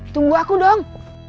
tunggu aku dong